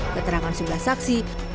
keterangan sebelah saksi